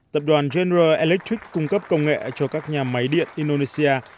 tập đoàn gener electric cung cấp công nghệ cho các nhà máy điện indonesia